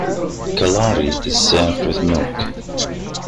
Kalari is served with milk.